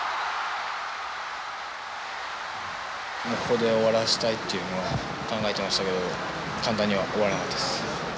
ここで終わらせたいっていうのは考えてましたけど簡単には終わらなかったです。